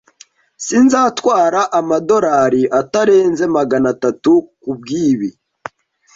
Sinzatwara amadorari atarenze magana atatu kubwibi.